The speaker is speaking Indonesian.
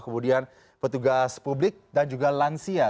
kemudian petugas publik dan juga lansia dua puluh satu lima juta jiwa